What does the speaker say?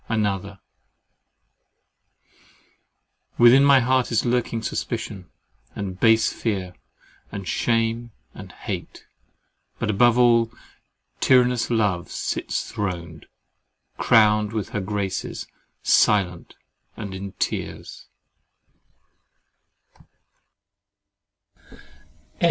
ANOTHER Within my heart is lurking suspicion, and base fear, and shame and hate; but above all, tyrannous love sits throned, crowned with her graces, silent and in tears.